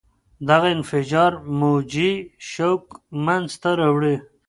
دغه انفجار موجي شوک منځته راوړي.